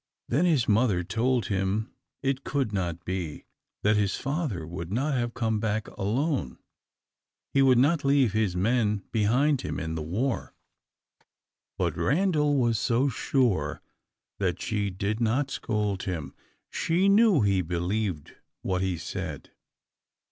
Then his mother told him it could not be, that his father would not have come back alone. He would not leave his men behind him in the war. But Randal was so sure, that she did not scold him. She knew he believed what he said.